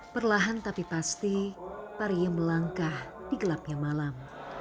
perlahan tapi pasti pari yang melangkah di gelapnya malam